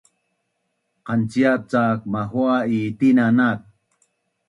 Qanciap cak mahua’ i tina nak